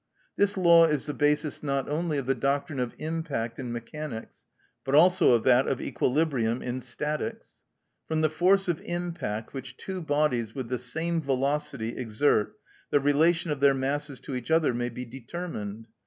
This law is the basis not only of the doctrine of impact in mechanics, but also of that of equilibrium in statics. From the force of impact which two bodies with the same velocity exert the relation of their masses to each other may be determined.